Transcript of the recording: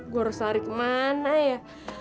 gue harus lari kemana ya